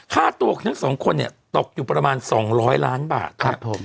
ค่าตัวทั้ง๒คนตกอยู่ประมาณ๒๐๐ล้านบาทครับ